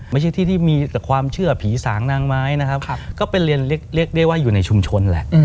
ไม่ใช่ที่ที่มีแต่ความเชื่อผีสางนางไม้นะครับก็เป็นเรียนเรียกได้ว่าอยู่ในชุมชนแหละ